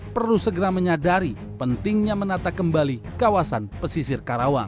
perlu segera menyadari pentingnya menata kembali kawasan pesisir karawang